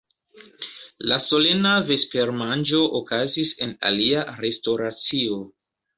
La solena vespermanĝo okazis en alia restoracio.